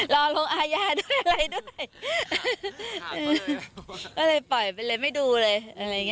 รอลงอาญาด้วยอะไรด้วยก็เลยปล่อยไปเลยไม่ดูเลย